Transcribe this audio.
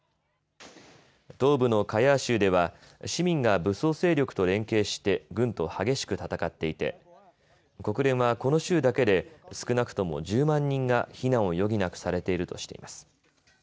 東部のカヤー州では市民が武装勢力と連携して軍と激しく戦っていて国連はこの州だけで少なくとも１０万人が避難を余儀なくされているとしています。